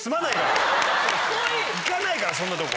行かないからそんなとこ。